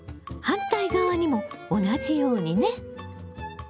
反対側にも同じようにね。